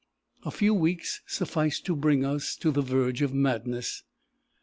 A few weeks sufficed to bring us to the verge of madness.